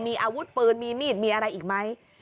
มีอาวุธปืนมีมีดมีอะไรอีกไหม